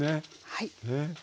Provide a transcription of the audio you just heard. はい。